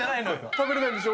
食べれないでしょ？